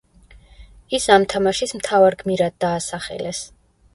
ის ამ თამაშის მთავარ გმირად დაასახელეს.